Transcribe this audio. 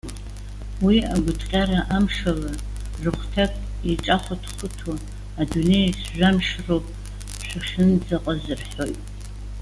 Уи агәыҭҟьара амшала рыхәҭак иеиҿахәыҭхәыҭуа:- Адунеиаҿ жәамш роуп шәахьынӡаҟаз,- рҳәоит.